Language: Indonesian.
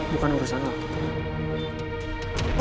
diperkenalkan sama lu